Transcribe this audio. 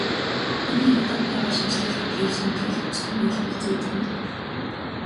Энд яригдаад байгаа шинэчлэл гэдгийг шинэтгэл гэж томьёолбол зүйтэй мэт.